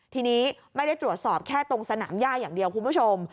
ทีนี้ไม่ได้ตรวจสอบแค่ตรงสนามย่าอย่างเดียวคุณผู้ชม